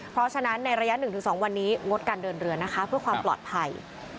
เพราะฉะนั้นในระยะ๑๒วันนี้งดการเดินเรือนะคะเพื่อความปลอดภัย